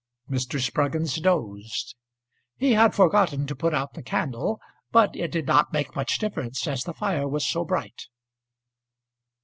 Mr. Spruggins dozed. He had forgotten to put out the candle, But it did not make much difference as the fire was so bright